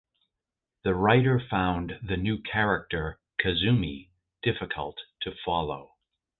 The writer found the new character Kazumi difficult to follow.